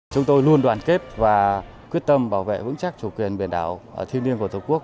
chúng tôi luôn đoàn kết và quyết tâm bảo vệ vững chắc chủ quyền biển đảo thiên liêng của tổ quốc